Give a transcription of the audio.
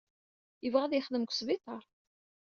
Yebɣa ad yexdem deg wesbiṭar.